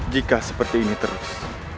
jika seperti ini terus